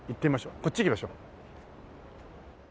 こっち行きましょう。